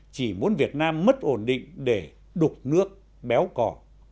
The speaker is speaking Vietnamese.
chỉ muốn việt nam mất ổn định để đục nước béo cỏ